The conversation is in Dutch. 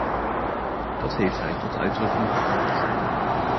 Dat heeft hij tot uitdrukking gebracht.